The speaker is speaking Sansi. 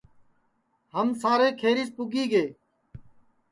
ہم سارے کھیریس پُگی گے